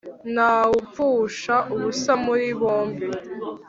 Ntawupfusha ubusa muri bombi.